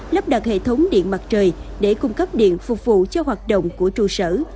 lắp đặt hệ thống điện mặt trời để cung cấp điện phục vụ cho hoạt động của trụ sở